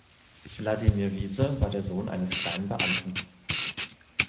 Wladimir Wiese war der Sohn eines kleinen Beamten.